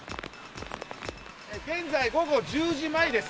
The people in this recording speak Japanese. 現在午後１０時前です。